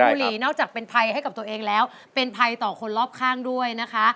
บุหรี่นอกจากเป็นภัยให้กับตัวเองแล้วเป็นภัยต่อคนรอบข้างด้วยนะคะ